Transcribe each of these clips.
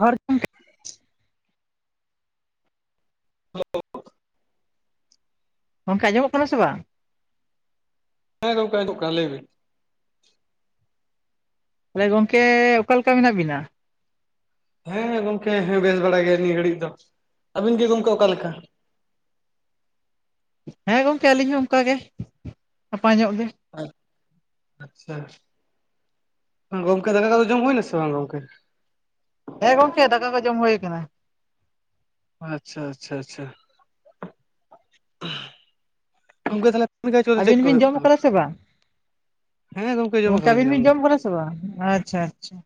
ᱟᱨ ᱜᱚᱝᱠᱮ ᱟᱸᱡᱚᱢᱚᱜ ᱠᱟᱱᱟ ᱥᱮ ᱵᱟᱝ ᱦᱮᱸ ᱜᱚᱢᱠᱮ ᱟᱡᱚᱢᱚᱜ ᱠᱟᱱᱟ ᱞᱟᱹᱭᱵᱤᱱ? ᱛᱟᱦᱞᱮ ᱜᱚᱝᱠᱮ ᱚᱠᱟᱞᱮᱠᱟ ᱢᱮᱱᱟᱜ ᱵᱤᱱᱟ ᱦᱮᱸ ᱜᱚᱝᱠᱮ ᱦᱮᱸ ᱵᱮᱥ ᱵᱟᱲᱟ ᱜᱮ ᱱᱤᱭᱟᱹ ᱜᱷᱟᱹᱲᱤᱡ ᱫᱚ, ᱟᱹᱵᱤᱱ ᱜᱤ ᱜᱚᱝᱠᱮ ᱚᱠᱟ ᱞᱮᱠᱟ? ᱦᱮᱸ ᱜᱚᱝᱠᱮ ᱟᱹᱞᱤᱧ ᱦᱚᱸ ᱚᱝᱠᱟ ᱜᱮ ᱱᱟᱯᱟᱭ ᱧᱚᱜ ᱜᱮ, ᱟᱪᱪᱷᱟ, ᱜᱚᱝᱠᱮ ᱫᱟᱠᱟ ᱠᱚ ᱫᱚ ᱡᱚᱢ ᱦᱩᱭ ᱱᱟ ᱥᱮ ᱵᱟᱝ ᱜᱚᱝᱠᱮ? ᱦᱮᱸ ᱜᱚᱝᱠᱮ ᱫᱟᱠᱟ ᱠᱚ ᱡᱚᱢ ᱦᱳᱭᱟ ᱠᱟᱱᱟ, ᱟᱪᱪᱷᱟ ᱟᱪᱪᱷᱟ ᱟᱪᱪᱷᱟ ᱜᱚᱝᱠᱮ ᱛᱟᱞᱮ ᱠᱟᱹᱢᱤ ᱠᱟᱡᱽ ᱠᱚ ᱫᱚ ᱪᱮᱫ ᱟᱹᱵᱤᱱ ᱠᱚ ᱵᱤᱱ ᱦᱩᱭᱩᱜ ᱡᱚᱢ ᱠᱟᱱᱟ? ᱠᱟᱫᱟ ᱥᱮ ᱵᱟᱝ? ᱦᱮᱸ ᱜᱚᱝᱠᱮ ᱡᱚᱢ ᱠᱟᱫᱟᱞᱤᱧ ᱟᱹᱵᱤᱱ ᱡᱚᱢ ᱵᱤᱱ ᱫᱚ, ᱠᱟᱫᱟ ᱥᱮ ᱵᱟᱝ ᱟᱪᱪᱷᱟ ᱟᱪᱪᱷᱟ,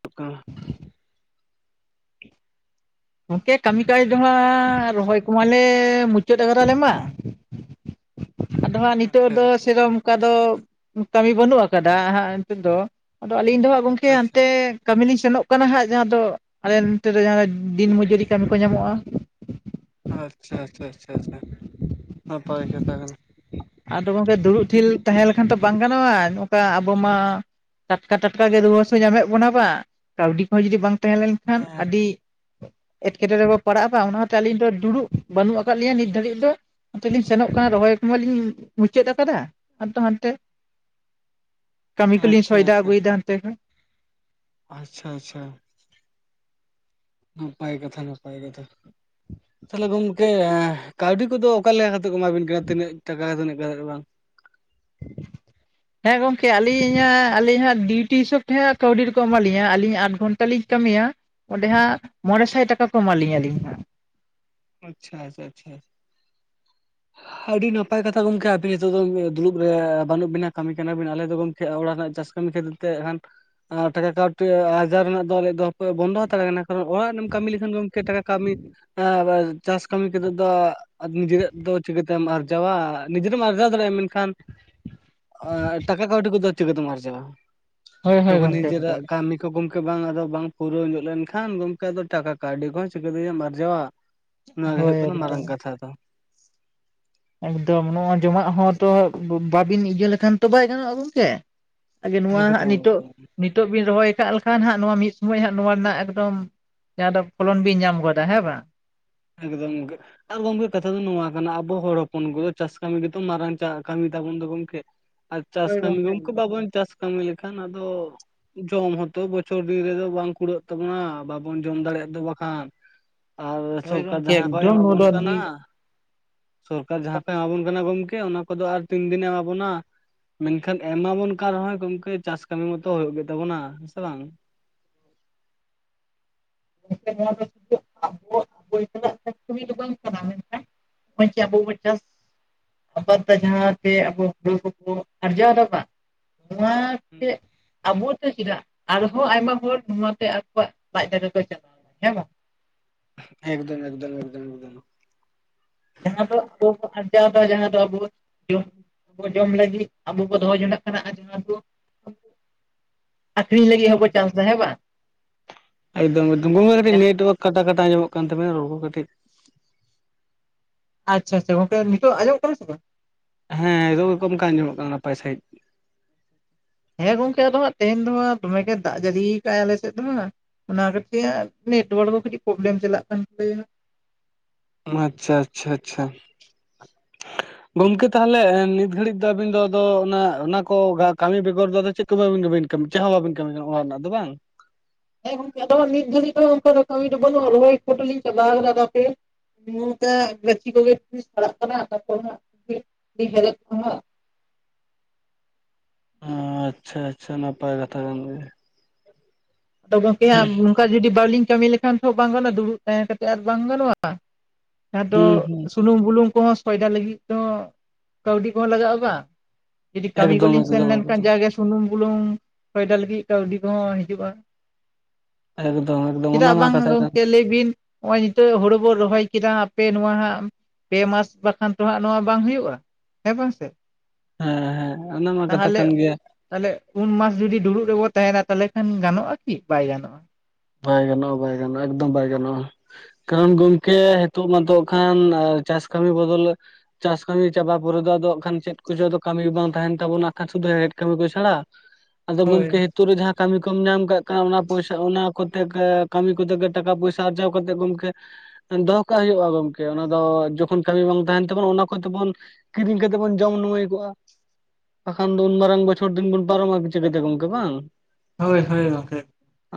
[unintelligible] ᱜᱚᱝᱠᱮ ᱠᱟᱹᱢᱤ ᱠᱟᱡᱽ ᱫᱚ ᱦᱟᱸᱜ ᱨᱚᱦᱚᱭ ᱠᱚᱢᱟᱞᱮ ᱢᱩᱪᱟᱹᱫ ᱟᱠᱟᱫᱟ ᱟᱞᱮ ᱢᱟ, ᱫᱚ ᱦᱟᱸᱜ ᱱᱤᱛᱚᱜ ᱟᱪᱪᱷᱟ ᱫᱚ ᱥᱮᱨᱚᱢ ᱚᱱᱠᱟ ᱫᱚ ᱠᱟᱹᱢᱤ ᱵᱟᱹᱱᱩᱜ ᱟᱠᱟᱫᱟ ᱦᱟᱸᱜ ᱱᱤᱛᱚᱜ ᱫᱚ ᱟᱫᱚ ᱟᱹᱞᱤᱧ ᱫᱚ ᱦᱟᱸᱜ ᱜᱚᱝᱠᱮ ᱟᱪᱪᱷᱟ ᱦᱟᱱᱛᱮ ᱠᱟᱹᱢᱤ ᱞᱤᱧ ᱥᱮᱱᱚᱜ ᱠᱟᱱᱟ ᱦᱟᱸᱜ ᱡᱟᱦᱟᱸ ᱫᱚ ᱟᱞᱮ ᱱᱚᱱᱚᱛᱮ ᱫᱚ ᱡᱟᱦᱟᱸ ᱫᱚ ᱫᱤᱱ ᱢᱚᱡᱩᱨᱤ ᱠᱟᱹᱢᱤ ᱠᱚ ᱧᱟᱢᱚᱜᱼᱟ, ᱟᱪᱪᱷᱟ ᱟᱪᱪᱷᱟ ᱟᱪᱪᱷᱟ ᱟᱪᱷᱟ ᱱᱟᱯᱟᱭ ᱠᱟᱛᱷᱟ ᱠᱟᱱᱟ, ᱟᱫᱚ ᱜᱚᱝᱠᱮ ᱫᱩᱲᱩᱵ ᱴᱷᱤᱞ ᱛᱟᱦᱮᱸ ᱞᱮᱠᱷᱟᱱ ᱛᱚ ᱵᱟᱝ ᱜᱟᱱᱚᱜᱼᱟ ᱱᱚᱝᱠᱟ ᱟᱵᱚ ᱢᱟ ᱴᱟᱴᱠᱟ ᱴᱟᱴᱠᱟ ᱜᱮ ᱨᱩᱣᱟᱹ ᱦᱟᱹᱥᱩ ᱧᱟᱢᱮᱫ ᱵᱚᱱᱟ ᱵᱟᱝ ᱠᱟᱹᱣᱰᱤ ᱠᱚᱦᱚᱸ ᱡᱩᱫᱤ ᱵᱟᱝ ᱛᱟᱦᱮᱸ ᱞᱮᱱᱠᱷᱟᱱ ᱟᱹᱰᱤ ᱮᱴᱠᱮ ᱴᱚᱬᱮ ᱨᱮ ᱵᱚ ᱯᱟᱲᱟᱜᱼᱟ ᱵᱟᱝ ᱚᱱᱟ ᱦᱚᱛᱚ ᱟᱹᱞᱤᱧ ᱫᱚ ᱰᱩᱲᱩᱵ ᱵᱟᱹᱱᱩᱜ ᱟᱠᱟᱫ ᱞᱤᱧᱟᱹ ᱱᱤᱛ ᱫᱷᱟᱹᱨᱤᱡ ᱫᱚ, ᱱᱚᱛᱮ ᱞᱤᱧ ᱥᱮᱱᱚᱜ ᱠᱟᱱᱟ ᱨᱚᱦᱚᱭ ᱠᱚᱢᱟ ᱞᱤᱧ ᱢᱩᱪᱟᱹᱫ ᱟᱠᱟᱫᱟ ᱟᱫᱚ ᱦᱟᱱᱛᱮ ᱠᱟᱹᱢᱤ ᱠᱚᱞᱤᱧ ᱟᱪᱪᱷᱟ ᱥᱚᱭᱫᱟ ᱟᱪᱪᱷᱟ ᱟᱹᱜᱩᱭ ᱫᱟ ᱦᱟᱱᱛᱮ ᱠᱷᱚᱡ, ᱟᱪᱪᱷᱟ ᱟᱪᱪᱷᱟ, ᱱᱟᱯᱟᱭ ᱠᱟᱛᱷᱟ ᱱᱟᱯᱟᱭ ᱠᱟᱛᱷᱟ ᱛᱟᱦᱚᱞᱮ ᱜᱚᱝᱠᱮ ᱠᱟᱹᱣᱰᱤ ᱠᱚᱫᱚ ᱚᱠᱟ ᱞᱮᱠᱟ ᱠᱟᱛᱮ ᱠᱚ ᱮᱢᱟ ᱵᱤᱱ ᱠᱟᱱᱟ ᱛᱤᱱᱟᱹᱜ ᱴᱟᱠᱟ ᱛᱱᱟᱹᱜ ᱠᱟᱛᱮᱫ ᱵᱟᱝ? [inaudible] ᱦᱮᱸ ᱜᱚᱝᱠᱮ ᱟᱹᱞᱤᱧᱟᱜ ᱟᱹᱞᱤᱧ ᱦᱟᱸᱜ ᱰᱤᱭᱩᱴᱤ ᱦᱤᱥᱟᱹᱵ ᱛᱮ ᱦᱟᱸᱜ ᱠᱟᱹᱣᱰᱤ ᱫᱚᱠᱚ ᱮᱢᱟ ᱞᱤᱧᱟ ᱟᱹᱞᱤᱧ ᱟᱴ ᱜᱷᱚᱱᱴᱟ ᱴᱟ ᱞᱤᱧ ᱠᱟᱹᱢᱤᱭᱟ ᱚᱸᱰᱮ ᱦᱟᱸᱜ ᱢᱚᱬᱮ ᱥᱟᱭ ᱴᱟᱠᱟ ᱠᱚ ᱮᱢᱟ ᱞᱤᱧᱟᱹ ᱟᱹᱞᱤᱧ ᱦᱟᱸᱜ, ᱟᱪᱪᱷᱟ ᱟᱪᱷᱟ ᱟᱪᱪᱷᱟ, ᱟᱹᱰᱤ ᱱᱟᱯᱟᱭ ᱠᱟᱛᱷᱟ ᱜᱚᱝᱠᱮ ᱟᱵᱤᱱ ᱱᱤᱛᱚᱜ ᱫᱚ ᱫᱩᱲᱩᱵ ᱨᱮ ᱵᱟᱹᱱᱩᱜ ᱵᱤᱱᱟ ᱠᱟᱹᱢᱤ ᱠᱟᱱᱟ ᱵᱤᱱ ᱟᱞᱮ ᱫᱚ ᱜᱚᱝᱠ ᱚᱲᱟᱜ ᱨᱮᱱᱟᱜ ᱪᱟᱥ ᱠᱟᱹᱢᱤ ᱠᱷᱟᱹᱛᱤᱨ ᱛᱮ ᱮᱱᱠᱷᱟᱱ ᱴᱟᱠᱟ ᱠᱟᱹᱣᱰᱤ ᱟᱨᱡᱟᱣ ᱨᱮᱱᱟᱜ ᱫᱚ ᱟᱞᱮᱭᱟᱜ ᱫᱚ ᱵᱚᱱᱫᱚ ᱦᱟᱛᱟᱲ ᱠᱟᱱᱟ ᱠᱟᱨᱚᱱ ᱚᱲᱟᱜ ᱨᱮᱢ ᱠᱟᱹᱢᱤ ᱞᱮᱠᱷᱟᱱ ᱜᱚᱝᱠᱮ ᱴᱟᱠᱟ ᱠᱟᱹᱢᱤ ᱮᱸ ᱪᱟᱥ ᱠᱟᱹᱢᱤ ᱠᱟᱛᱮ ᱫᱚ ᱟᱫ ᱱᱤᱡᱮᱨᱟᱜ ᱫᱚ ᱪᱤᱠᱟᱹᱛᱮᱢ ᱟᱨᱡᱟᱣᱟ ᱱᱤᱡᱮᱨᱟᱢ ᱟᱨᱡᱟᱣ ᱫᱟᱲᱮᱭᱟ ᱢᱮᱱᱠᱷᱟᱱ ᱠᱷᱟᱱ ᱟᱸ ᱴᱟᱠᱟ ᱠᱟᱹᱣᱰᱤ ᱠᱚᱫᱚ ᱪᱤᱠᱟᱹᱛᱮᱢ ᱟᱨᱡᱟᱣᱟ, ᱦᱳᱭ ᱦᱳᱭ ᱛᱟᱯᱚᱨ ᱜᱚᱝᱠᱮ ᱮᱠᱫᱚᱢ ᱱᱤᱡᱮᱨᱟᱜ ᱠᱟᱹᱢᱤ ᱜᱚᱢᱠᱮ ᱵᱟᱝ ᱟᱫᱚ ᱵᱟᱝ ᱯᱩᱨᱟᱹᱣ ᱧᱚᱜ ᱞᱮᱱ ᱠᱷᱟᱱ ᱜᱚᱢᱠᱮ ᱟᱫᱚ ᱴᱟᱠᱟ ᱠᱟᱹᱣᱰᱤ ᱠᱚᱦᱚᱸ ᱪᱤᱠᱟᱹ ᱛᱮᱡᱮᱢ ᱟᱨᱡᱟᱣᱟ, ᱱᱚᱶᱟ ᱜᱮ ᱦᱳᱭ ᱦᱩᱭᱩᱜ ᱠᱟᱱᱟ ᱮᱠᱫᱚᱢ ᱢᱟᱨᱟᱝ ᱠᱟᱛᱷᱟ ᱫᱚ, ᱮᱠᱫᱚᱢ ᱱᱚᱣᱟ ᱡᱚᱢᱟᱜ ᱦᱚᱸ ᱛᱚ ᱵᱟᱵᱤᱱ ᱤᱭᱟᱹ ᱞᱮᱠᱷᱟᱱ ᱛᱚ ᱵᱟᱭ ᱜᱟᱱᱚᱜᱼᱟ ᱜᱚᱝᱠᱮ, ᱟᱜᱮ ᱱᱚᱣᱟ ᱦᱟᱸᱜ ᱮᱠᱫᱚᱢ ᱱᱤᱛᱚᱜ ᱱᱤᱛ ᱮᱠᱫᱚᱢ ᱱᱤᱛᱚᱜ ᱵᱤᱱ ᱨᱚᱦᱚᱭ ᱟᱠᱟᱜ ᱞᱮᱠᱷᱟᱱ ᱦᱟᱸᱜ ᱱᱚᱣᱟ ᱢᱤᱫ ᱥᱚᱢᱚᱭ ᱦᱟᱸᱜ ᱱᱚᱣᱟ ᱨᱮᱱᱟᱜ ᱮᱠᱫᱚᱢ ᱡᱟᱦᱟᱸ ᱫᱚ ᱯᱷᱚᱞᱚᱱ ᱵᱤᱱ ᱧᱟᱢ ᱜᱚᱫᱟ ᱦᱮᱸ ᱵᱟᱝ? ᱮᱠᱫᱚᱢ ᱜᱮ, ᱟᱨ ᱜᱚᱝᱠᱮ ᱠᱟᱛᱷᱟ ᱫᱚ ᱱᱚᱣᱟ ᱠᱟᱱᱟ ᱟᱵᱚ ᱦᱚᱲ ᱦᱚᱯᱚᱱ ᱠᱚᱫᱚ ᱪᱟᱥ ᱠᱟᱹᱢᱤ ᱜᱮᱛᱚ ᱢᱟᱨᱟᱝ ᱪᱟ ᱠᱟᱹᱢᱤ ᱛᱟᱵᱚᱱ ᱫᱚ ᱜᱚᱝᱠᱮ, ᱟᱨ ᱪᱟᱥ ᱦᱳᱭ ᱠᱟᱹᱢᱤ ᱜᱚᱝᱠᱮ ᱮᱠᱫᱚᱢ ᱵᱟᱵᱚᱱ ᱪᱟᱥ ᱠᱟᱹᱢᱤ ᱞᱮᱠᱷᱟᱱ ᱟᱫᱚ ᱡᱚᱢ ᱦᱚᱸᱛᱚ ᱵᱚᱪᱷᱚᱨ ᱫᱤᱱ ᱨᱮᱫᱚ ᱵᱟᱝ ᱠᱩᱲᱟᱹᱜ ᱛᱟᱵᱚᱱᱟ ᱵᱟᱵᱚᱱ ᱡᱚᱢ ᱫᱟᱲᱮᱭᱟᱜ ᱫᱚ ᱵᱟᱠᱷᱟᱱ ᱟᱵᱚ ᱦᱳᱭ ᱥᱚᱨᱠᱟᱨ ᱜᱚᱝᱠᱮ ᱡᱟᱦᱟ ᱠᱚᱸᱭ ᱮᱠᱫᱚᱢ ᱮᱢᱟ ᱱᱚᱣᱟ ᱵᱚᱱ ᱫᱚ ᱠᱟᱱᱟ, ᱟᱹᱰᱤ ᱥᱚᱨᱠᱟᱨ ᱡᱟᱦᱟᱸ ᱠᱚᱭ ᱮᱢᱟᱵᱚᱱ ᱠᱟᱱᱟ ᱜᱚᱝᱠᱮ ᱚᱱᱟ ᱠᱚ ᱫᱚ ᱟᱨ ᱛᱤᱱ ᱫᱤᱱᱮ ᱮᱢᱟ ᱵᱚᱱᱟ? ᱢᱮᱱᱠᱷᱟᱱ ᱮᱢᱟ ᱵᱚᱱ ᱠᱟᱱ ᱨᱮᱦᱚᱸᱭ ᱜᱚᱢᱠᱮ ᱪᱟᱥ ᱠᱟᱹᱢᱤ ᱢᱟᱛᱚ ᱦᱩᱭᱩᱜ ᱜᱮ ᱛᱟᱵᱚᱱᱟ, ᱦᱮᱸ ᱥᱮ ᱵᱟᱝ? [unintelligible] ᱯᱚᱭᱛᱷᱟᱲᱟᱜ ᱠᱟ ᱠᱟᱹᱢᱤ ᱫᱚ ᱵᱟᱝ ᱠᱟᱱᱟ ᱢᱮᱱᱠᱷᱟᱱ ᱱᱚᱜ-ᱚᱭ ᱡᱮ ᱟᱵᱚ ᱵᱚ ᱪᱟᱥ ᱟᱵᱟᱫ ᱫᱟ ᱡᱟᱦᱟᱸ ᱛᱮ ᱟᱵᱚ ᱦᱩᱲᱩ ᱠᱚᱵᱚ ᱟᱨᱡᱟᱣ ᱫᱟ ᱵᱟᱝ, ᱱᱚᱣᱟ ᱛᱮ ᱟᱵᱚ ‌ᱛᱮ ᱪᱮᱫᱟᱜ ᱟᱨᱦᱚᱸ ᱟᱭᱢᱟ ᱦᱚᱲ ᱱᱚᱣᱟᱛᱮ ᱟᱠᱚᱣᱟᱜ ᱞᱟᱡ ᱫᱟᱠᱟ ᱠᱚ ᱪᱟᱞᱟᱣ ᱫᱟ, ᱦᱮᱸ ᱵᱟᱝ? ᱮᱠᱫᱚᱢ ᱮᱠᱫᱚᱢ ᱮᱠᱫᱚᱢ ᱮᱠᱫᱚᱢ, ᱡᱟᱦᱟᱸ ᱫᱚ ᱟᱵᱚ ᱵᱚ ᱟᱨᱡᱟᱣᱮᱫᱟ ᱡᱟᱦᱟᱸ ᱫᱚ ᱟᱵᱚ ᱡᱚᱢ ᱵᱚ ᱡᱚᱢ ᱞᱟᱹᱜᱤᱫ ᱟᱵᱚ ᱵᱚ ᱫᱚᱦᱚ ᱡᱚᱱᱟᱜ ᱠᱟᱱᱟ ᱟᱨ ᱡᱟᱦᱟᱸ ᱫᱚ ᱟᱠᱷᱨᱤᱧ ᱞᱟᱹᱜᱤᱫ ᱦᱚᱸᱠᱚ ᱪᱟᱥ ᱮᱫᱟ ᱦᱮᱸ ᱵᱟᱝ ᱮᱠᱫᱚᱢ ᱮᱠᱫᱚᱢ [unintelligible] ᱠᱟᱹᱴᱤᱡ ᱱᱮᱴᱳᱣᱟᱨᱠ ᱠᱟᱴᱟ ᱠᱟᱴᱟ ᱧᱟᱢᱚᱜ ᱠᱟᱱ ᱛᱟᱵᱤᱱᱟ ᱨᱚᱲᱠᱚ ᱠᱟᱹᱴᱤᱡ ᱟᱪᱪᱷᱟ ᱟᱪᱪᱷᱟ ᱜᱚᱝᱠᱮ ᱱᱤᱛᱚᱜ ᱟᱸᱡᱚᱢᱚᱜ ᱠᱟᱱᱟ ᱥᱮ ᱵᱟᱝ? ᱦᱮᱸ ᱱᱤᱛᱚᱜ ᱫᱚ ᱜᱚᱢᱠᱮ ᱟᱸᱡᱚᱢᱚᱜ ᱠᱟᱱᱟ ᱱᱟᱯᱟᱭ ᱥᱟᱺᱦᱤᱡ ᱦᱮᱸ ᱜᱚᱝᱠᱮ ᱟᱫᱚ ᱦᱟᱸᱜ ᱛᱮᱦᱮᱧ ᱫᱚ ᱦᱟᱸᱜ ᱫᱚᱢᱮ ᱜᱮ ᱫᱟᱜ ᱡᱟᱹᱲᱤ ᱠᱟᱜ-ᱟᱭ ᱟᱞᱮ ᱥᱮᱫ ᱫᱚ ᱦᱟᱸᱜ ᱚᱱᱟ ᱠᱚᱛᱮ ᱱᱮᱴᱚᱣᱟᱨᱠ ᱫᱚ ᱠᱟᱹᱴᱤᱡ ᱯᱨᱚᱵᱞᱮᱢ ᱪᱟᱞᱟᱜ ᱠᱟᱱ ᱛᱟᱞᱮᱭᱟ ᱟᱪᱪᱷᱟ ᱟᱪᱪᱷᱟ ᱟᱪᱪᱷᱟ [inaudible] ᱜᱚᱢᱠᱮ ᱛᱟᱦᱞᱮ ᱱᱤᱛ ᱜᱷᱟᱹᱲᱤᱡ ᱫᱚ ᱟᱵᱤᱱ ᱫᱚ ᱟᱫᱚ ᱚᱱᱟ ᱚᱱᱟ ᱠᱚ ᱠᱟᱹᱢᱤ ᱵᱮᱜᱚᱨ ᱫᱚ ᱪᱮᱫ [unintelligible] ᱵᱟᱵᱤᱱ ᱠᱟᱹᱢᱤ, ᱪᱮᱫ ᱦᱚᱸ ᱵᱟᱵᱤᱱ ᱠᱟᱹᱢᱤ ᱠᱟᱱᱟ ᱚᱲᱟᱜ ᱨᱮᱱᱟᱜ ᱫᱚ ᱵᱟᱝ ᱦᱮᱸ ᱜᱚᱝᱠᱮ ᱟᱫᱚ ᱱᱤᱛ ᱫᱷᱟᱹᱵᱤᱡ ᱫᱚ ᱚᱱᱠᱟ ᱫᱚ ᱠᱟᱹᱢᱤ ᱫᱚ ᱵᱟᱹᱱᱩᱜᱼᱟ ᱨᱚᱦᱚᱭ ᱠᱚᱫᱚᱞᱤᱧ ᱪᱟᱵᱟ ᱟᱠᱟᱫᱟ ᱦᱟᱯᱮ ᱚᱱᱟᱛᱮ ᱜᱟᱪᱷᱤ ᱠᱚᱜᱮ ᱛᱤᱥ ᱯᱟᱲᱟᱜ ᱠᱟᱱᱟ ᱛᱟᱯᱚᱨᱮ ᱦᱟᱸᱜ [unintelligible] ᱧᱮᱞᱮᱫ ᱠᱚᱣᱟ ᱦᱟᱸᱜ ᱚ, ᱟᱪᱪᱷᱟ ᱟᱪᱪᱷᱟ ᱱᱟᱯᱟᱭ ᱠᱟᱛᱷᱟ ᱠᱟᱱ ᱜᱮᱭᱟ ᱟᱫᱚ ᱜᱚᱝᱠᱮ ᱦᱟᱸᱜ ᱚᱝᱠᱟ ᱡᱩᱫᱤ ᱵᱟᱞᱤᱧ ᱠᱟᱹᱢᱤ ᱞᱮᱠ ᱠᱷᱟᱱ ᱛᱚ ᱵᱟᱝ ᱜᱟᱱᱚᱜᱼᱟ ᱫᱩᱲᱩᱵ ᱛᱟᱦᱮᱸ ᱠᱟᱛᱮ ᱟᱨ ᱵᱟᱝ ᱜᱟᱱᱚᱜᱼᱟ ᱡᱟᱦᱟᱸ ᱫᱚ ᱦᱩᱸ ᱦᱩᱸ ᱥᱩᱱᱩᱢ ᱵᱩᱞᱩᱝ ᱠᱚᱦᱚᱸ ᱥᱚᱭᱫᱟ ᱞᱟᱹᱜᱤᱫ ᱛᱮᱦᱚᱸ ᱠᱟᱹᱣᱰᱤ ᱠᱚᱦᱚᱸ ᱞᱟᱜᱟᱜᱼᱟ ᱵᱟᱝ ᱡᱩᱫᱤ ᱠᱟᱹᱢᱤ ᱮᱠᱫᱚᱢ ᱠᱚᱞᱤᱧ ᱥᱮᱱ ᱮᱠᱫᱚᱢ ᱞᱮᱱᱠᱷᱟᱱ ᱮᱠᱫᱚᱢ ᱡᱟᱜᱮ ᱥᱩᱱᱩᱢ ᱵᱩᱞᱩᱝ ᱥᱚᱭᱫᱟ ᱞᱟᱹᱜᱤᱫ ᱠᱟᱹᱣᱰᱤ ᱠᱚᱦᱚᱸ ᱦᱤᱡᱩᱜᱼᱟ ᱮᱠᱫᱚᱢ ᱮᱠ ᱪᱮᱫᱟᱜ ᱵᱟᱝ ᱜᱚᱝᱠᱮ ᱞᱟᱹᱭ ᱵᱤᱱ ᱱᱚᱜᱼᱚᱭ ᱱᱤᱛᱚᱜ ᱦᱳᱲᱳ ᱵᱚᱱ ᱨᱚᱦᱚᱭ ᱠᱮᱫᱟ ᱦᱟᱯᱮ ᱱᱚᱣᱟ ᱦᱟᱸᱜ ᱯᱮ ᱢᱟᱥ ᱵᱟᱠᱷᱟᱱ ᱛᱚ ᱦᱟᱸᱜ ᱱᱚᱣᱟ ᱵᱟᱝ ᱦᱩᱭᱩᱜᱼᱟ ᱦᱮᱸ ᱵᱟᱝ ᱥᱮ ᱦᱮᱸ ᱦᱮᱸ ᱚᱱᱟᱢᱟ ᱠᱟᱛᱷᱟ ᱠᱟᱱ ᱜᱮᱭᱟ ᱛᱟᱦᱞᱮ ᱩᱱ ᱢᱟᱥ ᱡᱩᱫᱤ ᱫᱩᱲᱩᱵ ᱨᱮᱵᱚ ᱛᱟᱦᱮᱱᱟ ᱛᱟᱦᱞᱮ ᱠᱷᱟᱱ ᱜᱟᱱᱚᱜᱼᱟ ᱠᱤ ᱵᱟᱭ ᱜᱟᱱᱚᱜᱼᱟ ᱵᱟᱭ ᱜᱟᱱᱚᱜᱼᱟ ᱵᱟᱭ ᱜᱟᱱᱚᱜᱼᱟ ᱮᱠᱫᱚᱢ ᱵᱟᱭ ᱜᱟᱱᱚᱜᱼᱟ᱾ ᱠᱟᱨᱚᱱ ᱜᱚᱝᱠᱮ ᱦᱤᱸᱛᱳᱜ ᱢᱟᱛᱚᱜ ᱠᱷᱟᱱ ᱪᱟᱥ ᱠᱟᱹᱢᱤ ᱵᱚᱫᱚᱞ ᱪᱟᱥ ᱠᱟᱹᱢᱤ ᱪᱟᱵᱟ ᱯᱚᱨᱮ ᱫᱚ ᱟᱫᱚ ᱡᱟᱸᱜᱟ ᱠᱷᱟᱱ ᱪᱮᱫ ᱠᱚᱪᱚ ᱟᱫᱚ ᱠᱟᱹᱢᱤ ᱜᱮ ᱵᱟᱝ ᱛᱟᱦᱮᱱ ᱛᱟᱵᱚᱱᱟ ᱦᱟᱸᱜ ᱠᱷᱟᱱ ᱥᱩᱫᱩ ᱦᱮᱲᱦᱮᱫ ᱠᱟᱹᱢᱤ ᱠᱚ ᱪᱷᱟᱲᱟ [inaudible] ᱟᱫᱚ ᱜᱚᱝᱠᱮ ᱦᱤᱸᱛᱚᱜ ᱨᱮ ᱡᱟᱦᱟᱸ ᱠᱟᱹᱢᱤ ᱠᱚᱢ ᱧᱟᱢ ᱠᱟᱜ ᱠᱟᱱᱟ ᱚᱱᱟ ᱯᱚᱭᱥᱟ ᱚᱱᱟ ᱠᱚᱛᱮᱠ ᱠᱟᱹᱢᱤ ᱠᱚᱛᱮ ᱜᱮ ᱴᱟᱠᱟ ᱯᱚᱭᱥᱟ ᱟᱨᱡᱟᱣ ᱠᱟᱛᱮ ᱜᱚᱢᱠᱮ ᱫᱚᱦᱚ ᱠᱟᱜ ᱦᱩᱭᱩᱜᱼᱟ ᱜᱚᱢᱠᱮ ᱚᱱᱟ ᱫᱚ ᱡᱚᱠᱷᱚᱱ ᱠᱟᱹᱢᱤ ᱵᱟᱝ ᱛᱟᱦᱮᱱ ᱛᱟᱵᱚᱱ ᱚᱱᱟ ᱠᱚᱛᱮᱵᱚᱱ ᱠᱤᱨᱤᱧ ᱠᱟᱛᱮᱜ ᱵᱚᱱ ᱡᱚᱢ ᱱᱩᱣᱟᱹᱭ ᱠᱚᱜᱼᱟ ᱵᱟᱠᱷᱟᱱ ᱫᱚ ᱩᱱ ᱢᱟᱨᱟᱝ ᱵᱚᱪᱷᱚᱨ ᱫᱤᱱ ᱵᱚᱱ ᱯᱟᱨᱚᱢᱟ ᱪᱤᱠᱟᱹᱛᱮ ᱜᱚᱝᱠᱮ ᱵᱟᱝ ᱦᱳᱭ ᱦᱳᱭ ᱜᱚᱝᱠᱮ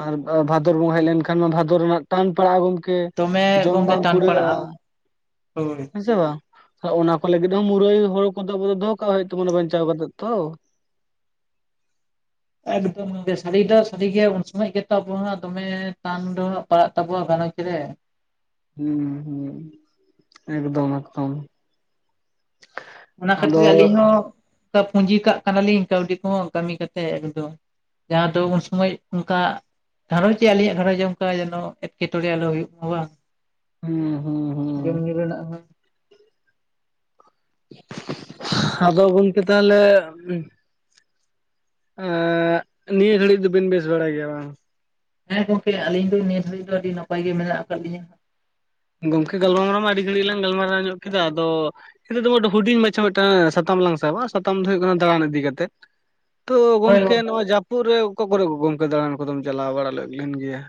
ᱟᱨ ᱵᱷᱟᱫᱚᱨ ᱵᱚᱸᱜᱟ ᱦᱮᱡ ᱞᱮᱱᱠᱷᱟᱱ ᱢᱟ ᱵᱷᱟᱫᱚᱨ ᱨᱮᱱᱟᱜ ᱴᱟᱱ ᱯᱟᱲᱟᱜᱼᱟ ᱜᱚᱝ ᱫᱚᱢᱮ ᱡᱚᱢ ᱜᱚᱝᱠᱮ ᱵᱟᱝ ᱴᱟᱱ ᱠᱩᱲᱟᱹᱜ ᱟ ᱯᱟᱲᱟᱜᱼᱟ ᱦᱳᱭ ᱦᱮ ᱥᱮ ᱵᱟᱝ? ᱚᱱᱟ ᱠᱚ ᱞᱟᱹᱜᱤᱫ ᱦᱚᱸ ᱢᱩᱨᱟᱹᱭ ᱦᱳᱲᱳ ᱠᱚᱫᱚ ᱟᱵᱚ ᱫᱚᱦᱚ ᱠᱟᱜ ᱦᱩᱭᱩᱜ ᱛᱟᱵᱚᱱᱟ ᱵᱟᱧᱪᱟᱣ ᱠᱟᱛᱮᱜ ᱛᱚ᱾ ᱮᱠᱫᱚᱢ ᱜᱮ ᱥᱟᱹᱨᱤ ᱫᱚ ᱥᱟᱹᱨᱤᱜᱮ ᱩᱱ ᱥᱚᱢᱚᱭ ᱜᱮᱛᱚ ᱟᱵᱚᱣᱟᱜ ᱫᱚᱢᱮ ᱴᱟᱱ ᱫᱚ ᱦᱟᱸᱜ ᱯᱟᱲᱟᱜ ᱛᱟᱵᱚᱣᱟ ᱜᱟᱨᱚᱧᱡᱽ ᱨᱮ᱾ ᱦᱩᱸ ᱦᱩᱸ ᱮᱠᱫᱚᱢ ᱮᱠᱫᱚᱢ᱾ ᱚᱱᱟ ᱟᱫᱚ ᱠᱷᱟᱹᱛᱤᱨ ᱟᱹᱞᱤᱧ ᱦᱚᱸ ᱯᱩᱸᱡᱤ ᱠᱟᱜ ᱠᱟᱱᱟᱞᱤᱧ ᱠᱟᱹᱣᱰᱤ ᱠᱚᱦᱚᱸ ᱠᱟᱹᱢᱤ ᱠᱟᱛᱮᱜ ᱮᱠᱫᱚᱢ᱾ ᱡᱟᱦᱟ ᱫᱚ ᱩᱱ ᱥᱚᱢᱚᱭ ᱚᱱᱠᱟ ᱜᱷᱟᱨᱚᱧᱡᱽ ᱨᱮ ᱟᱞᱤᱧᱟᱜ ᱜᱷᱟᱨᱚᱧᱡᱽ ᱚᱱᱠᱟ ᱡᱮᱱᱚ ᱮᱴᱠᱮᱴᱚᱬᱮ ᱟᱞᱚ ᱦᱩᱭᱩᱜ ᱢᱟ ᱵᱟᱝ᱾ ᱦᱩᱸ ᱻ ᱦᱩᱸ ᱦᱩᱸ ᱡᱚᱢ ᱧᱩ ᱨᱮᱱᱟᱜ ᱦᱚᱸ᱾ ᱟᱫᱚ ᱜᱚᱢᱠᱮ ᱛᱟᱦᱚᱞᱮ? ᱱᱤᱭᱟᱹ ᱜᱷᱟᱹᱲᱤᱡ ᱫᱚᱵᱤᱱ ᱵᱮᱥ ᱵᱟᱲᱟᱭ ᱜᱮᱭᱟ ᱵᱟᱝ᱾ ᱦᱮᱸ ᱜᱚᱢᱠᱮ ᱟᱹᱞᱤᱧ ᱫᱚ ᱱᱤᱭᱟᱹ ᱫᱷᱟᱹᱲᱤᱡ ᱫᱚ ᱟᱹᱰᱤ ᱱᱟᱯᱟᱭ ᱜᱮ ᱢᱮᱱᱟᱜ ᱟᱠᱟᱫ ᱞᱤᱧᱟ᱾ ᱜᱚᱢᱠᱮ ᱜᱟᱞᱢᱟᱨᱟᱣ ᱢᱟ ᱟᱹᱰᱤ ᱜᱷᱟᱹᱲᱤᱡ ᱞᱟᱝ ᱜᱟᱞᱢᱟᱨᱟᱣ ᱧᱚᱜ ᱠᱮᱫᱟ ᱟᱫᱚ ᱱᱤᱛᱚᱜ ᱫᱚ ᱦᱩᱰᱤᱧ ᱢᱟᱪᱷᱟ ᱢᱤᱫᱴᱟᱝ ᱥᱟᱛᱟᱢ ᱞᱟᱝ ᱥᱟᱵᱟ ᱥᱟᱛᱟᱢ ᱫᱚ ᱦᱩᱭᱩᱜ ᱠᱟᱱᱟ ᱫᱟᱲᱟᱱ ᱤᱫᱤ ᱠᱟᱛᱮᱫ ᱾ ᱛᱚ ᱦᱳᱭ ᱜᱚᱢᱠᱮ ᱱᱚᱣᱟ ᱡᱟᱹᱯᱩᱫ ᱨᱮ ᱚᱠᱟ ᱠᱚᱨᱮ ᱜᱚᱢᱠᱮ ᱫᱟᱲᱟᱱ ᱠᱚᱫᱚᱢ ᱪᱟᱞᱟᱣ ᱵᱟᱲᱟ ᱞᱮᱫ ᱞᱮᱱ ᱜᱮᱭᱟ?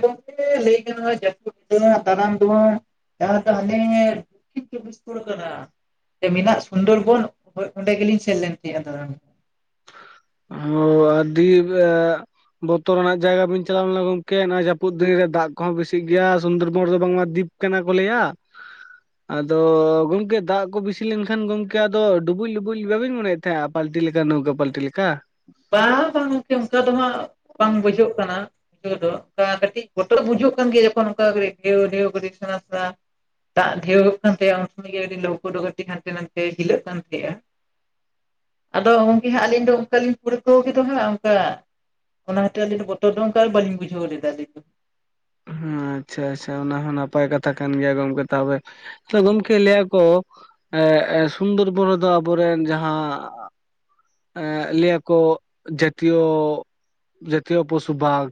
ᱜᱚᱢᱠᱮ ᱞᱟᱹᱭ ᱜᱟᱱᱚᱜᱼᱟ ᱡᱟᱹᱯᱩᱫ ᱫᱚ ᱵᱟᱝ ᱫᱟᱲᱟᱢ ᱫᱚ ᱵᱟᱝ [inaudible] ᱡᱟᱦᱟ ᱫᱚ ᱟᱹᱞᱤᱧ ᱵᱤᱥᱛᱚᱲ ᱠᱤᱱ ᱠᱳᱞ ᱠᱟᱫᱟ᱾ [inaudible] ᱢᱮᱱᱟᱜ ᱥᱩᱱᱫᱚᱨᱵᱚᱱ ᱚᱸᱰᱮ ᱜᱮᱞᱤᱧ ᱥᱮᱱ ᱞᱮᱱ ᱛᱟᱦᱮᱸᱜ ᱟ ᱫᱟᱲᱟᱱ᱾ ᱟᱨᱦᱚᱸ ᱟᱹᱰᱤ ᱵᱟ᱾ [inaudible] ᱵᱚᱛᱚᱨᱱᱟᱜ ᱡᱟᱭᱜᱟ ᱵᱤᱱ ᱪᱟᱞᱟᱣ ᱞᱮᱱᱟ ᱜᱚᱝᱠᱮ ᱱᱚᱣᱟ ᱡᱟᱹᱯᱩᱫ ᱫᱤᱱ ᱨᱮ ᱫᱟᱜ ᱠᱚᱦᱚᱸ ᱵᱤᱥᱤᱜ ᱜᱮᱭᱟ ᱥᱩᱱᱫᱚᱨᱵᱚᱱ ᱨᱮᱫᱚ ᱵᱟᱝ ᱫᱤᱯ ᱠᱟᱱᱟ ᱠᱚ ᱞᱟᱹᱭᱟ? ᱟᱫᱚ ᱜᱚᱢᱠᱮ ᱫᱟᱜ ᱠᱚ ᱵᱮᱥᱤ ᱞᱮᱱᱠᱷᱟᱱ ᱜᱚᱢᱠᱮ ᱟᱫᱚ ᱰᱩᱵᱩᱡ ᱞᱩᱵᱩᱡ ᱵᱟᱹᱵᱤᱱ ᱢᱚᱱᱮᱭᱮᱫ ᱢᱮᱭᱟ ᱯᱟᱞᱴᱤ ᱞᱮᱠᱟ ᱱᱚᱣᱠᱟ ᱯᱟᱞᱴᱤ ᱞᱮᱠᱟ? ᱵᱟᱝ ᱵᱟᱝ ᱜᱠᱮ ᱚᱱᱠᱟ ᱫᱚ ᱵᱟᱝ᱾ ᱵᱟᱝ ᱵᱩᱡᱷᱟᱹᱜ ᱠᱟᱱᱟ᱾ ᱤᱡ ᱫᱚᱠᱟ ᱠᱟᱹᱴᱤᱡ ᱜᱚᱛᱚ ᱫᱚ ᱵᱩᱡᱩᱜ ᱠᱟᱱ ᱜᱮᱭᱟ ᱡᱚᱠᱷᱚᱱ ᱚᱱᱠᱟ ᱰᱷᱣ ᱰᱷᱮᱣᱥᱲᱟ᱾ [unintelligible] ᱫᱟᱜ ᱰᱷᱮᱣᱚᱜ ᱠᱟᱱ ᱛᱟᱦᱮᱫ ᱟ ᱩᱱ ᱜᱮ ᱟᱹᱰᱤ ᱞᱟᱹᱣᱠᱟᱹ ᱞᱟᱹᱣᱠᱟᱹ ᱦᱟᱱᱛᱮ ᱱᱟᱛᱮ ᱡᱷᱤᱞᱟᱹᱜ ᱠᱟᱱᱟᱸᱜᱼᱟ [unintelligible] ᱟᱫᱚ ᱜᱚᱝᱠᱮ ᱦᱟᱸᱜ ᱟᱹᱞᱤᱧ ᱫᱚ ᱚᱱᱠᱟᱞᱤᱤᱧ ᱲᱠᱟᱹᱣ ᱜᱚ ᱦᱟᱸᱜ ᱚᱱᱠᱟ ᱚᱱᱟ ᱦᱟᱹᱛᱤᱨ ᱟᱹᱞᱤᱧ ᱫᱚ ᱵᱚᱛᱚᱨ ᱫᱚ ᱚᱱᱠᱟ ᱵᱟᱟᱹᱞᱤᱧ ᱵᱩᱡᱷᱟᱹᱣ ᱞᱮᱫᱟ ᱟᱹᱞᱤᱧ ᱫᱚ᱾ ᱦᱮᱸ ᱟᱪᱪᱷᱟ ᱟᱪᱪᱷᱟ ᱚᱱᱟ ᱦᱚᱸ ᱱᱟᱯᱟᱭ ᱠᱟᱛᱷᱟ ᱠᱟᱱ ᱜᱮᱭᱟ ᱜᱚᱝᱠᱮ ᱛᱟᱦᱚᱵᱮ᱾ ᱟ ᱜᱚᱢᱠᱮ ᱞᱟᱹᱭᱟᱠᱚ ᱮ ᱥᱩᱱᱫᱚᱨ ᱵᱚᱱ ᱫᱚ ᱟᱵᱚᱨᱮᱱ ᱡᱟᱦᱟ ᱞᱟᱹᱭᱟᱠᱚ ᱡᱟᱹᱛᱤᱭᱚ ᱡᱟᱛᱤᱭᱚ ᱯᱚᱥᱩ ᱵᱟᱜᱽ᱾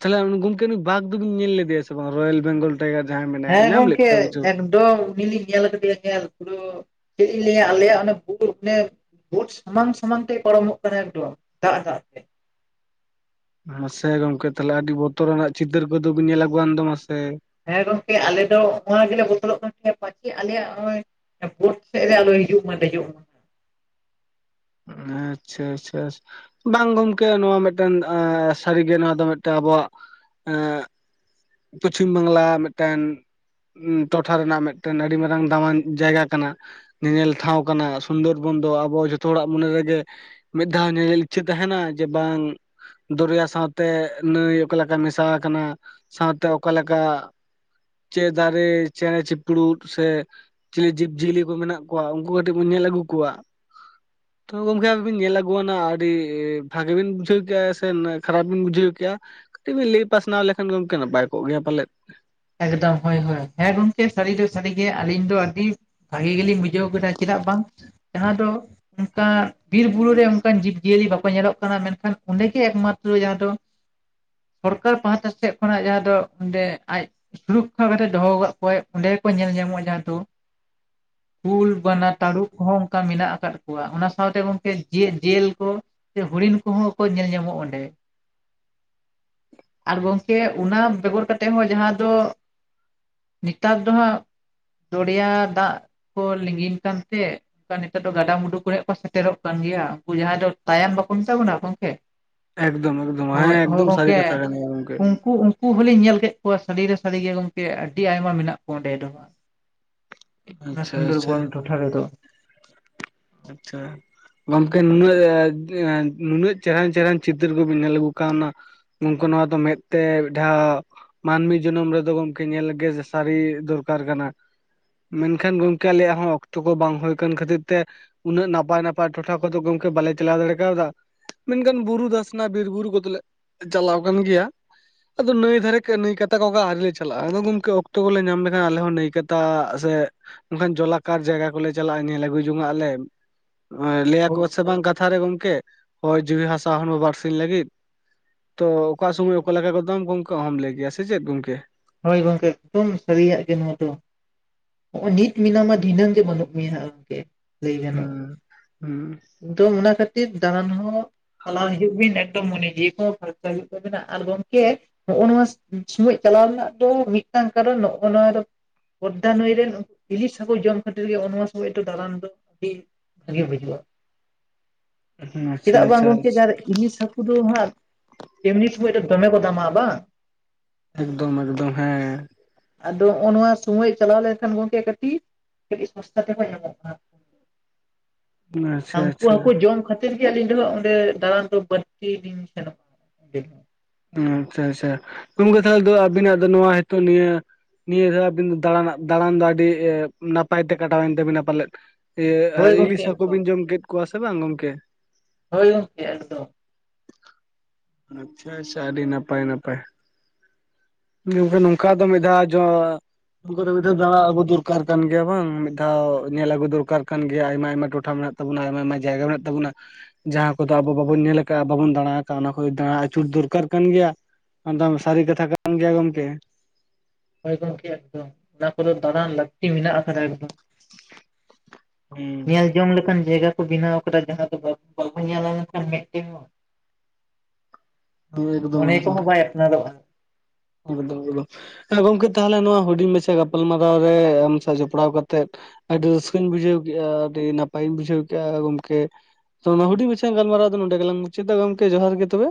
ᱛᱟᱦᱚᱞᱮ ᱩᱱᱤ ᱜᱚᱢᱠᱮ ᱩᱱᱤ ᱵᱟᱟᱜᱽ ᱫᱚᱵᱤᱱ ᱛᱟᱦᱚᱞᱮ ᱜᱚᱝᱠᱮ ᱱᱩᱭ ᱵᱷᱟᱜᱽ ᱫᱚ ᱵᱤᱱ ᱧᱮᱞ ᱞᱮᱫᱮᱭᱟ ᱥᱮ ᱵᱟᱝ ᱨᱚᱭᱮᱞ ᱵᱮᱝᱜᱚᱞ ᱴᱟᱭᱜᱟᱨ ᱡᱟᱦᱟᱸᱭ ᱢᱮᱱᱟᱭᱟ ᱦᱮᱸ ᱧᱟᱢ ᱞᱮᱫᱮᱫ ᱜᱚᱝᱠᱮ ᱠᱚᱣᱟ ᱵᱤᱱ ᱥᱮ? ᱩᱱᱤ ᱞᱤᱧ ᱧᱮᱞ ᱟᱠᱟᱫᱮᱭᱟ ᱧᱮᱞ ᱯᱩᱨᱟᱹ ᱪᱮᱫ ᱞᱤᱧ ᱞᱟᱹᱭᱟ ᱟᱞᱮᱭᱟᱜ ᱚᱱᱮ ᱵᱷᱩᱞ ᱚᱱᱮ᱾ [inaudible] ᱵᱩᱴ ᱥᱟᱢᱟᱝ ᱥᱟᱚᱢᱟᱝ ᱛᱮᱭ ᱯᱟᱨᱚᱢᱚᱜ ᱠᱟᱱᱟ ᱮᱠᱫᱚᱢ ᱫᱟᱜ ᱫᱟᱜ ᱛᱮ᱾ ᱢᱟᱥᱮ ᱜᱚᱝᱠᱮ ᱛᱟᱦᱚᱞᱮ ᱟᱹᱰᱤ ᱵᱚᱛᱚᱨᱟᱱᱟᱜ ᱪᱤᱛᱟᱹᱨ ᱠᱚᱫᱚ ᱵᱤᱱ ᱧᱮᱞ ᱟᱜᱩᱣᱟᱱ ᱫᱚ ᱢᱟᱥᱮ᱾ ᱦᱮᱸ ᱜᱚᱝᱠᱮ ᱟᱞᱮ ᱫᱚ ᱱᱚᱣᱟ ᱜᱮᱞᱮ ᱵᱚᱫᱚᱞᱚᱜ ᱠᱟᱱ ᱛᱟᱦᱮᱸ ᱯᱟᱪᱮ ᱟᱞᱮᱭᱟᱜ ᱱᱚᱜ ᱚᱭ᱾ ᱵᱳᱴ ᱥᱮᱫ ᱨᱮ ᱟᱞᱚ ᱦᱤᱡᱩᱜ ᱢᱟ ᱫᱮᱡᱚᱜ ᱾ ᱟᱪᱪᱷᱟᱻ ᱟᱪᱪᱷᱟ ᱻᱟᱪᱪᱷᱟ᱾ ᱵᱟᱝ ᱜᱚᱢᱠᱮ ᱱᱚᱣᱟ ᱢᱤᱫᱴᱮᱱ ᱥᱟᱹᱨᱤᱜᱮ ᱱᱚᱣᱟ ᱫᱚ ᱢᱤᱫᱴᱟᱝ ᱟᱵᱚᱣᱟᱜ ᱮᱸᱻ ᱯᱚᱪᱷᱤᱢ ᱵᱟᱝᱞᱟ ᱢᱤᱫᱴᱮᱱ ᱴᱚᱴᱷᱟ ᱨᱮᱱᱟᱜ ᱢᱤᱫᱴᱮᱱ ᱟᱹᱰᱤ ᱢᱟᱨᱟᱝ ᱫᱟᱢᱟᱱ ᱡᱟᱭᱜᱟ ᱠᱟᱱᱟ᱾ ᱧᱮᱧᱮᱞ ᱴᱷᱟᱶ ᱠᱟᱱᱟ ᱥᱩᱱᱫᱚᱨ ᱵᱚᱱ ᱫᱚ ᱟᱵᱚ ᱡᱚᱛᱚ ᱦᱚᱲᱟᱜ ᱢᱚᱱᱮ ᱨᱮᱜᱮ ᱢᱤᱫ ᱫᱷᱟᱣ ᱧᱮᱧᱮᱞ ᱤᱪᱪᱷᱟᱹ ᱛᱟᱦᱮᱱᱟ ᱡᱮ ᱵᱟᱝ᱾ ᱫᱚᱨᱭᱟ ᱥᱟᱶᱛᱮ ᱱᱟᱹᱭ ᱚᱠᱟᱞᱮᱠᱟ ᱢᱮᱥᱟ ᱟᱠᱟᱱᱟ ᱥᱟᱶᱛᱮ ᱚᱠᱟᱮ ᱞᱮᱠᱟ᱾ ᱪᱮ ᱫᱟᱨᱮ ᱪᱮᱬᱮ ᱪᱤᱯᱨᱩᱫ ᱥᱮ ᱪᱤᱞᱤ ᱡᱤᱵᱽᱡᱤᱭᱟᱹᱞᱤ ᱠᱚ ᱢᱮᱱᱟᱜ ᱠᱚᱣᱟ ᱩᱱᱠᱩ ᱠᱟᱹᱴᱤᱡ ᱵᱚᱱ ᱧᱮᱞ ᱟᱹᱜᱩ ᱠᱚᱣᱟ ᱦ [inaudible] ᱛᱳ ᱜᱚᱝᱠᱮ ᱟᱫᱚ ᱵᱤᱱ ᱧᱮᱞ ᱟᱹᱜᱩᱣᱟᱱᱟ ᱟᱹᱰᱤ ᱵᱷᱟᱜᱤ ᱵᱤᱱ ᱵᱩᱡᱷᱟᱹᱣ ᱠᱮᱭᱟ ᱥᱮ ᱠᱷᱟᱨᱟᱯ ᱵᱤᱱ ᱵᱩᱡᱷᱟᱹᱣ ᱠᱮᱜ ᱟ? ᱠᱟᱹᱴᱤᱡ ᱵᱮᱤᱱ ᱞᱟᱹᱭ ᱯᱟᱥᱱᱟᱣ ᱞᱮᱠᱷᱟᱱ ᱜᱮ ᱜᱚᱢᱠᱮ ᱱᱟᱯᱟᱭ ᱠᱚᱜ ᱜᱮᱭᱟ ᱯᱟᱞᱮᱫ᱾ ᱮᱠᱫᱚᱢ ᱦᱳᱭ ᱦᱳᱭ ᱦᱮᱸ ᱜᱚᱢᱠᱮ ᱥᱟᱹᱨᱤ ᱫᱚ ᱥᱟᱹᱨᱤᱜᱮ ᱟᱹᱞᱤᱧ ᱫᱚ ᱟᱹᱰᱤ᱾ ᱵᱷᱟᱜᱤ ᱜᱮᱞᱤᱧ ᱵᱩᱡᱷᱟᱹᱣ ᱠᱮᱫᱟ ᱪᱮᱫᱟᱜ ᱵᱟᱝ ᱡᱟᱦᱟᱸ ᱫᱚ ᱚᱱᱠᱟ ᱵᱤᱨ ᱵᱩᱨᱩᱨᱮ ᱚᱱᱠᱟᱱ ᱡᱤᱵᱡᱤᱭᱟᱹᱞᱤ ᱵᱟᱠᱚ ᱧᱮᱞᱚᱜ ᱠᱟᱱᱟ ᱢᱮᱱᱠᱷᱟᱱ ᱚᱸᱰᱮᱜᱮ ᱮᱠᱢᱟᱛᱨᱚ ᱡᱟᱦᱟᱸ ᱫᱚ ᱥᱚᱨᱠᱟᱨ ᱯᱟᱦᱴᱟ ᱥᱮᱫ ᱠᱷᱚᱱᱟᱜ ᱡᱟᱦᱟᱸ ᱫᱚ ᱚᱸᱰᱮ ᱟᱡ ᱥᱩᱨᱚᱠᱠᱷᱟ ᱠᱟᱛᱮᱜ ᱫᱚᱦᱚ ᱟᱠᱟᱫ ᱠᱚᱣᱟᱭ ᱚᱸᱰᱮ ᱠᱚ ᱧᱮᱞ ᱧᱟᱢᱚᱜᱼᱟ ᱡᱟᱦᱟᱸᱛᱚ ᱠᱩᱞ ᱵᱟᱱᱟ ᱛᱟᱹᱨᱩᱵ ᱠᱚᱦᱚᱸ ᱚᱱᱠᱟ ᱢᱮᱱᱟᱜ ᱟᱠᱟᱫ ᱠᱚᱣᱟ ᱚᱱᱟ ᱥᱟᱶᱛᱮ ᱜᱚᱝᱠᱮ ᱡᱮᱞ ᱠᱚ ᱥᱮ ᱦᱩᱰᱤᱤᱱ ᱠᱚᱦᱚᱸ ᱠᱚ ᱧᱮᱞ ᱧᱟᱢᱚᱜᱼᱟ ᱚᱸᱰᱮ ᱟᱨ ᱜᱚᱝᱠᱮ ᱚᱱᱟ ᱵᱮᱜᱚᱨ ᱠᱟᱛᱮᱜ ᱦᱚᱸ ᱡᱟᱦᱟᱸ ᱫᱚ ᱱᱮᱛᱟᱨ ᱫᱚ ᱦᱟᱸᱜ ᱫᱚᱨᱭᱟ ᱫᱟᱜ ᱠᱚ ᱞᱤᱸᱜᱤᱱ ᱠᱟᱱᱛᱮ ᱚᱱᱠᱟ ᱱᱤᱛᱚᱜ ᱫᱚ ᱜᱟᱰᱟᱢᱰᱩ ᱠᱚᱨᱮ ᱠᱚ ᱥᱮᱴᱮᱨᱚᱜ ᱠᱟᱱ ᱜᱮᱭᱟ ᱩᱱᱠᱩ ᱡᱟᱦᱟᱸᱭ ᱫᱚ ᱛᱟᱭᱚᱢ ᱵᱟᱠᱚ ᱢᱮᱛᱟ ᱵᱚᱱᱟ ᱜᱚᱢᱠᱮ ᱮᱠᱫᱚᱢ ᱮᱠᱫᱚᱢ ᱦᱮᱸ ᱦᱳᱭ ᱦᱳᱭ ᱮᱠᱫᱚᱢ ᱥᱟᱹᱨᱤ ᱜᱚᱝᱠᱮ ᱠᱟᱛᱷᱟ ᱠᱟᱱ ᱜᱮᱭᱟ ᱜᱚᱝᱠᱮ᱾ ᱩᱱᱠᱩ ᱩᱱᱠᱩ ᱦᱚᱞᱤᱧ ᱧᱮᱞ ᱠᱮᱫ ᱠᱚᱣᱟ ᱥᱟᱹᱲᱤᱮ ᱥᱟᱹᱨᱤ ᱜᱮ ᱜᱚᱝᱠᱮ ᱟᱹᱰᱤ ᱟᱭᱢᱟ ᱢᱮᱱᱟᱜ ᱠᱚᱣᱟ ᱚᱸᱰᱮ ᱫᱚ ᱚᱱᱟ ᱟᱪᱪᱷᱟ ᱟᱪᱪᱷᱟ ᱥᱩᱱᱫᱚᱨᱵᱚᱱ ᱴᱚᱴᱷᱟ ᱨᱮᱫᱚ ᱟᱪᱪᱷᱟ ᱜᱚᱝᱠᱮ ᱱᱩᱱᱟᱹᱜ ᱱᱩᱱᱟᱹᱜ ᱪᱮᱦᱨᱟᱱ ᱪᱮᱦᱨᱟᱱ ᱪᱤᱛᱟᱹᱨ ᱠᱚᱵᱤᱱ ᱧᱮᱞ ᱟᱹᱜᱩ ᱠᱟᱜ ᱚᱱᱟ ᱩᱱᱠᱩ ᱱᱚᱣᱟ ᱫᱚ ᱢᱮᱫ ᱛᱮ ᱢᱤᱫ ᱫᱷᱟᱣ ᱢᱟᱹᱱᱢᱤ ᱡᱚᱱᱚᱢ ᱨᱮᱫᱚ ᱜᱚᱢᱠᱮ ᱧᱮᱞ ᱜᱮᱭᱟ ᱡᱮ ᱥᱟᱹᱨᱤ ᱫᱚᱨᱠᱟᱨ ᱠᱟᱱᱟ᱾ ᱢᱮᱱᱠᱷᱟᱱ ᱜᱚᱝᱠᱮ ᱟᱞᱮᱭᱟᱜ ᱦᱚᱸ ᱚᱠᱛᱚ ᱠᱚ ᱵᱟᱝ ᱦᱩᱭ ᱠᱟᱱ ᱠᱷᱟᱹᱛᱤᱨ ᱛᱮ ᱩᱱᱟᱹᱜ ᱱᱟᱯᱟᱭ ᱱᱟᱯᱟᱭ ᱴᱚᱴᱷᱟ ᱠᱚᱫᱚ ᱜᱚᱝᱠᱮ ᱵᱟᱞᱮ ᱪᱟᱞᱟᱣ ᱫᱟᱲᱮ ᱠᱟᱣᱫᱟ᱾ ᱢᱮᱱᱠᱷᱟᱱ ᱵᱩᱨᱩ ᱫᱷᱟᱥᱱᱟ ᱵᱤᱨᱵᱩᱨᱩ ᱠᱚᱫᱚᱞᱮ ᱪᱟᱞᱟᱣ ᱠᱟᱱ ᱜᱮᱭᱟ᱾ ᱟᱫᱚ ᱱᱟᱹᱭ ᱫᱷᱟᱨᱮ ᱱᱟᱹᱭ ᱠᱟᱛᱟ ᱠᱚ ᱜᱮ ᱟᱹᱣᱨᱤ ᱞᱮ ᱪᱟᱞᱟᱜᱼᱟ᱾ ᱟᱫᱚ ᱜᱚᱝᱠᱮ ᱚᱠᱛᱚ ᱠᱚᱞᱮ ᱧᱟᱢ ᱞᱮᱠᱷᱟᱱ ᱟᱞᱮ ᱦᱚᱸ ᱱᱟᱹᱭ ᱠᱟᱛᱟᱻᱻ ᱥᱮ ᱚᱱᱠᱟᱱ ᱡᱚᱞᱟᱠᱟᱨ ᱡᱟᱭᱜᱟ ᱠᱚᱞᱮ ᱪᱟᱞᱟᱜᱼᱟ ᱧᱮᱞ ᱟᱹᱜᱩ ᱡᱚᱝᱟ ᱟᱞᱮ ᱞᱟᱹᱭᱟᱠᱚ ᱥᱮ ᱵᱟᱝ ᱠᱟᱛᱷᱟ ᱨᱮ ᱜᱚᱢᱠᱮ ᱦᱚᱭ ᱡᱤᱣᱤ ᱦᱟᱥᱟ ᱦᱚᱲᱢᱟ ᱵᱟᱨᱥᱤᱧ ᱞᱟᱹᱜᱤᱫ ᱛᱚ ᱚᱠᱟ ᱥᱚᱢᱚᱭ ᱚᱠᱟ ᱞᱮᱠᱟ ᱜᱚᱫᱟᱢ ᱜᱚᱝ- ᱠᱮ ᱚᱦᱚᱸᱚᱢ ᱞᱟᱹᱭ ᱜᱮᱭᱟ ᱥᱮ ᱪᱮᱫ ᱜᱚᱝᱠᱮ? ᱦᱳᱭ ᱜᱚᱝᱠᱮ ᱮᱠᱫᱚᱢ ᱥᱟᱹᱨᱤᱭᱟᱜ ᱜᱮ ᱱᱚᱣᱟ ᱫᱚ᱾ ᱱᱚᱜᱼᱚᱭ ᱱᱤᱛ ᱢᱮᱱᱟᱢᱟ ᱫᱷᱤᱱᱟᱹᱝ ᱜᱮ ᱵᱟᱹᱱᱩᱜ ᱢᱮᱭ ᱦᱟᱜ ᱟᱢ ᱜᱮ ᱞᱟᱹᱭ ᱜᱟᱱᱚᱜ-ᱟ ᱦᱩᱸ ᱦᱩᱸ ᱮᱠᱫᱚᱢ ᱚᱱᱟ ᱠᱷᱟᱹᱛᱤᱨ ᱫᱟᱬᱟᱱ ᱦᱚᱸ ᱪᱟᱞᱟᱣ ᱦᱤᱡᱩᱜ ᱵᱤᱱ ᱮᱠᱫᱚᱢ ᱢᱚᱱᱮ ᱡᱤᱣᱤ ᱠᱚᱻᱻ ᱦᱩᱭᱩᱜ ᱛᱟᱵᱤᱱᱟ ᱟᱨ ᱜᱚᱝᱠᱮ ᱱᱚᱜᱼᱚ ᱱᱚᱣᱟ [unintelligible] ᱪᱟᱞᱟᱣ ᱨᱮᱱᱟᱜ ᱛᱚ ᱢᱤᱫᱟᱝ ᱠᱟᱨᱚᱱ ᱱᱚᱜᱼᱚ ᱱᱚᱣᱟ ᱯᱚᱫᱫᱟ ᱱᱟᱹᱭ ᱨᱮᱱ ᱤᱞᱤᱥ ᱦᱟᱹᱠᱩ ᱡᱚᱢ ᱠᱷᱟᱹᱛᱤᱨ ᱜᱮ ᱚ ᱱᱚᱣᱟ ᱥᱚᱢᱚᱭ ᱫᱚ ᱫᱟᱬᱟᱱ ᱫᱚ ᱟᱹᱰᱤ ᱵᱷᱟᱜᱮ ᱵᱩᱡᱩᱜᱼᱟ᱾ ᱟᱪᱪᱷᱟ ᱪᱮᱫᱟᱜ ᱵᱟᱝ ᱟᱪᱪᱷᱟ ᱜᱚᱢᱠᱮ ᱡᱟᱦᱟᱸ ᱨᱮ ᱤᱞᱤᱥ ᱦᱟᱹᱠᱩ ᱩᱱᱠᱩ ᱫᱚ ᱦᱟᱸᱜ ᱮᱢᱱᱤ ᱥᱚᱢᱚᱭ ᱨᱮᱜ ᱫᱚᱢᱮ ᱠᱚ ᱫᱟᱢᱟ ᱵᱟᱝ ᱮᱠᱫᱚᱢ ᱮᱠᱫᱚᱢ ᱦᱮᱸ ᱟᱫᱚ ᱚ-ᱱᱚᱣᱟ ᱥᱚᱢᱚᱭ ᱪᱟᱞᱟᱣ ᱞᱮᱱᱠᱷᱟᱱ ᱜᱚᱝᱠᱮ ᱠᱟᱹᱴᱤᱡ ᱠᱟᱹᱴᱤᱡ ᱥᱚᱥᱛᱟ ᱛᱮᱠᱚ ᱧᱟᱢᱚᱜ-ᱟ᱾ ᱟᱪᱪᱷᱟ ᱩᱱᱠᱩ ᱟᱪᱪᱷᱟ ᱦᱟᱹᱠᱩ ᱡᱚᱢ ᱠᱷᱟᱹᱛ- ᱛᱤᱨ ᱜᱮ ᱟᱹᱞᱤᱧ ᱫᱚ [unintelligible] ᱚᱸᱰᱮ ᱫᱟᱲᱟᱱ ᱫᱚ ᱵᱟᱹᱲᱛᱤ ᱞᱤᱧ ᱥᱮᱱᱚᱜᱼᱟ᱾ ᱟᱪᱪᱷᱟ ᱟᱪᱪᱷᱟ ᱜᱚᱝᱠᱮ ᱛᱟᱦᱞᱮ ᱫᱚ ᱟᱵᱤᱱᱟᱜ ᱫᱚ ᱱᱚᱣᱟ ᱦᱤᱛᱚᱜ ᱱᱤᱭᱟᱹ ᱱᱤᱭᱟᱹ ᱫᱷᱟᱣ ᱟᱵᱤᱱ ᱫᱟᱬᱟᱱᱟᱜ ᱫᱟᱬᱟᱱ ᱫᱚ ᱟᱹᱰᱤ ᱱᱟᱯᱟᱭ ᱛᱮ ᱠᱟᱴᱟᱣᱮᱱ ᱛᱟᱵᱤᱱᱟ ᱯᱟᱞᱮᱫ ᱤᱭᱟᱹ ᱟᱨ ᱦᱳᱭ ᱜᱚᱢᱠᱮ ᱤᱞᱤᱥ ᱦᱟᱹᱠᱩ ᱮᱠᱫᱚᱢ ᱵᱤᱱ ᱡᱚᱢ ᱠᱮᱫ ᱠᱚᱣᱟ ᱥᱮ ᱵᱟᱝ ᱜᱚᱝᱠᱮ ᱦᱳᱭ ᱜᱚᱝᱠᱮ ᱮᱠᱫᱚᱢ ᱟᱪᱪᱷᱟ ᱟᱪᱪᱷᱟ ᱟᱹᱰᱤ ᱱᱟᱯᱟᱭ ᱱᱟᱯᱟᱭ ᱜᱚᱝᱠᱮ ᱱᱚᱝᱠᱟ ᱫᱚ ᱢᱤᱫ ᱫᱷᱟᱣ ᱡᱚ ᱚᱱᱟ ᱠᱚᱨᱮ ᱢᱤᱫ ᱫᱷᱟᱣ ᱫᱟᱬᱟ ᱟᱹᱜᱩ ᱫᱩᱨᱠᱟᱨ ᱠᱟᱱ ᱜᱮᱭᱟ ᱵᱟᱝ ᱢᱤᱫ ᱫᱷᱟᱣ ᱧᱮᱞ ᱟᱹᱜᱩ ᱫᱩᱨᱠᱟᱨ ᱠᱟᱱ ᱜᱮᱭᱟ ᱟᱭᱢᱟ ᱟᱭᱢᱟ ᱴᱚᱴᱷᱟ ᱢᱮᱱᱟᱜ ᱛᱟᱵᱩᱱᱟ ᱟᱭᱢᱟ ᱟᱭᱢᱟ ᱡᱟᱭᱜᱟ ᱢᱮᱱᱟᱜ ᱛᱟᱵᱩᱱᱟ ᱡᱟᱦᱟᱸ ᱠᱚᱫᱚ ᱟᱵᱚ ᱵᱟᱵᱚᱱ ᱧᱮᱞ ᱟᱠᱟᱜ ᱼᱟ ᱵᱟᱵᱚᱱ ᱫᱟᱬᱟ ᱟᱠᱟᱜᱼᱟ ᱚᱱᱟ ᱪᱷᱩᱸᱛ ᱫᱩᱨᱠᱟᱨ ᱠᱟᱱ ᱜᱮᱭᱟ ᱮᱠᱫᱚᱢ ᱥᱟᱹᱨᱤ ᱠᱟᱛᱷᱟ ᱠᱟᱱ ᱜᱮᱭᱟ ᱜᱚᱢᱠᱮ ᱦᱚᱭ ᱜᱚᱝᱠᱮ ᱮᱠᱫᱚᱢ ᱚᱱᱟ ᱠᱚᱫᱚ ᱫᱟᱬᱟᱱ ᱞᱟᱹᱠᱛᱤ ᱢᱮᱱᱟᱜ ᱟᱠᱟᱫᱟ ᱮᱠᱫᱚᱢ ᱦᱩᱸ ᱧᱮᱞ ᱡᱚᱝ ᱞᱮᱠᱟᱱ ᱡᱟᱭᱜᱟ ᱠᱚ ᱵᱮᱱᱟᱣ ᱟᱠᱟᱫᱟ ᱡᱟᱦᱟᱸ ᱫᱚ ᱵᱟᱵᱚ ᱧᱮᱞ ᱟᱱᱠᱷᱟᱱ ᱢᱮᱫ ᱛᱮᱦᱚᱸ ᱮᱠᱫᱚᱢ ᱢᱚᱱᱮ ᱠᱚ ᱮᱠᱫᱚᱢ ᱦᱚᱸ ᱵᱟᱭ ᱟᱯᱱᱟᱨᱚᱜᱼᱟ ᱦᱮᱸ ᱜᱚᱝᱠᱮ ᱛᱟᱦᱚᱞᱮ ᱱᱚᱣᱟ ᱦᱩᱰᱤᱧ ᱢᱟᱪᱷᱟ ᱜᱟᱯᱟᱞᱢᱟᱨᱟᱣ ᱨᱮ ᱟᱢ ᱥᱟᱶ ᱡᱚᱯᱲᱟᱣ ᱠᱟᱛᱮᱫ ᱟᱹᱰᱤ ᱨᱟᱹᱥᱠᱟᱹᱧ ᱵᱩᱡᱷᱟᱹᱣ ᱠᱮᱜᱼᱟ ᱟᱹᱰᱤ ᱱᱟᱯᱟᱭᱤᱧ ᱵᱩᱡᱷᱟᱹᱣ ᱠᱮᱷᱼᱟ ᱜᱚᱝᱠᱮ ᱛᱚ ᱱᱚᱣᱟ ᱦᱩᱰᱤᱧ ᱢᱟᱪᱷᱟ ᱜᱟᱞᱢᱟᱨᱟᱣ ᱫᱚ ᱱᱚᱸᱰᱮ ᱜᱮᱞᱟᱝ ᱢᱩᱪᱟᱹᱫᱟ ᱜᱚᱝᱠᱮ ᱡᱚᱦᱟᱨ ᱜᱮ ᱛᱚᱵᱮ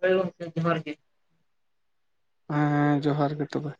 ᱦᱳᱭ ᱜᱚᱝᱠᱮ ᱡᱚᱦᱟᱨ ᱜᱮ ᱦᱮᱸᱻ ᱡᱚᱦᱟᱨ ᱜᱮ ᱛᱚᱵᱮ